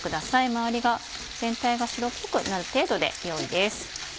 周りが全体が白っぽくなる程度でよいです。